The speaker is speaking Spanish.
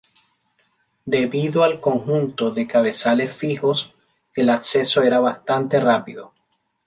Debido al conjunto de cabezales fijos, el acceso era bastante rápido.